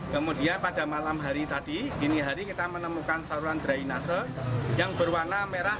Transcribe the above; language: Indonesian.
kemudian pada malam hari tadi dini hari kita menemukan saluran drainase yang berwarna merah